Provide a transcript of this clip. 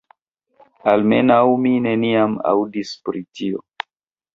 Almenaŭ mi neniam aŭdis pri tio.